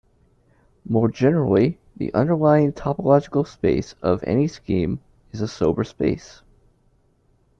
More generally, the underlying topological space of any scheme is a sober space.